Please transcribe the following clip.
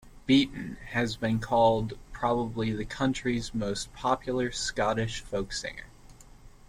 Beaton has been called probably the country's most popular Scottish folk singer.